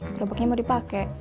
berobaknya mau dipake